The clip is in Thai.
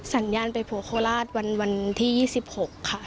สัญญาณไปผัวโคราชวันที่๒๖ค่ะ